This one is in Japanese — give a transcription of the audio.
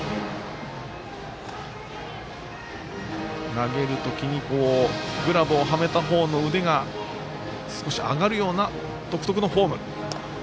投げるときにグラブをはめた方の腕が、少し上がるような独特のフォーム。